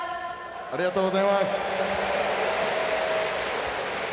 ありがとうございます！